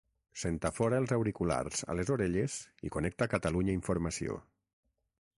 S'entafora els auriculars a les orelles i connecta Catalunya Informació.